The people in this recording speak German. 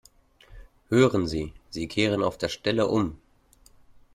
Hören Sie, Sie kehren auf der Stelle um!